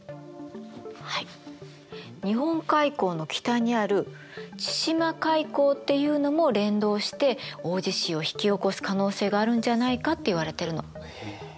日本海溝の北にある千島海溝っていうのも連動して大地震を引き起こす可能性があるんじゃないかっていわれてるの。